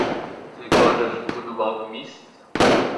Ти, кажеш, будував міст?